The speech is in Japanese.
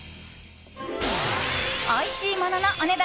おいしいもののお値段